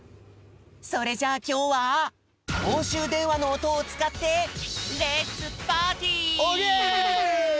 それじゃあきょうはこうしゅうでんわのおとをつかってオーケー！